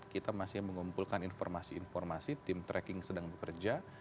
kita masih mengumpulkan informasi informasi tim tracking sedang bekerja